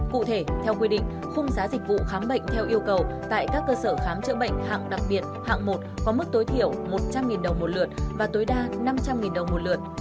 cụ thể theo quy định khung giá dịch vụ khám bệnh theo yêu cầu tại các cơ sở khám chữa bệnh hạng đặc biệt hạng một có mức tối thiểu một trăm linh đồng một lượt và tối đa năm trăm linh đồng một lượt